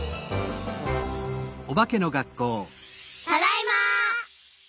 ただいま！